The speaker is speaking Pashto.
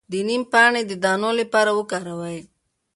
د نیم پاڼې د دانو لپاره وکاروئ